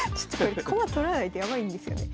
駒取らないとヤバいんですよね。